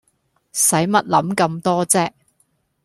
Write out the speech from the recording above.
洗乜諗咁多啫